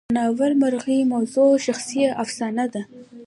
د ناول مرکزي موضوع شخصي افسانه ده.